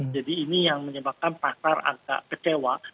ini yang menyebabkan pasar agak kecewa